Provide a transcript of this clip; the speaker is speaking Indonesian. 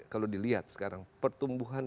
kalau dilihat sekarang pertumbuhan